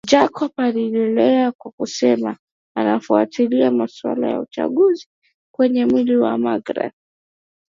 Jacob aliendelea kwa kusema anafuatilia masuala ya uchunguzi kwenye mwili wa magreth